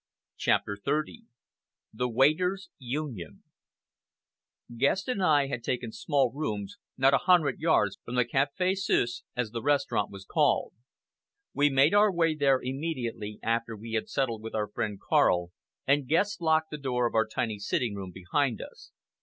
CHAPTER XXX THE "WAITERS' UNION" Guest and I had taken small rooms not a hundred yards from the Café Suisse, as the restaurant was called. We made our way there immediately after we had settled with our friend Karl, and Guest locked the door of our tiny sitting room behind us.